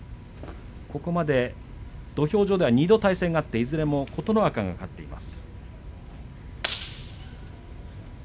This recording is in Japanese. ここまで土俵上では２度対戦があっていずれも琴ノ若が勝っています。